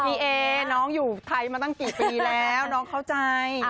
เอน้องอยู่ไทยมาตั้งกี่ปีแล้วน้องเข้าใจ